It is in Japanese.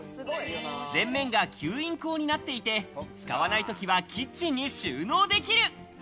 前面が吸引口になっていて使わないときはキッチンに収納できる。